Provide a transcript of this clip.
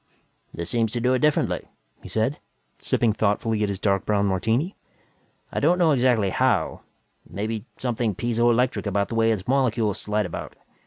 "This seems to do it differently," he said, sipping thoughtfully at his dark brown martini. "I don't know exactly how maybe something piezo electric about the way its molecules slide about.